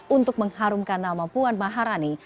untuk mengharumkan nama puan maharani